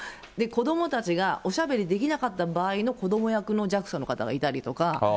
子どもたちがおしゃべりできなかった場合の子ども役のＪＡＸＡの方がいたりとか。